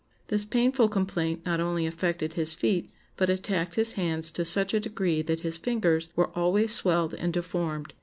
This painful complaint not only affected his feet, but attacked his hands to such a degree that his fingers were always swelled and deformed....